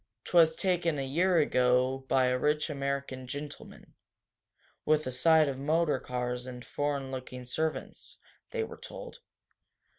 "'Twas taken a year ago by a rich American gentleman, with a sight of motor cars and foreign looking servants," they were told.